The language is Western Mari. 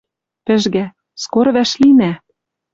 Пӹжгӓ: «Скоро вӓшлинӓ...»